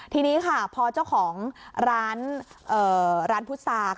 ทีนี้ค่ะพอเจ้าของร้านร้านพุษา